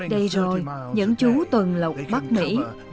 đây rồi những chú tuần lục bắc mỹ